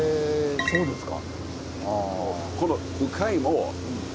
そうですか。